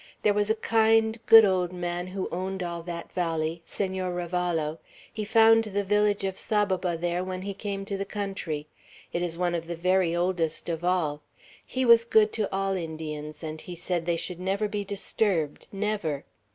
There was a kind, good old man who owned all that valley, Senor Ravallo; he found the village of Saboba there when he came to the country. It is one of the very oldest of all; he was good to all Indians, and he said they should never be disturbed, never.